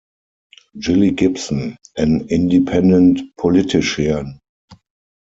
Jilly Gibson, an independent politician.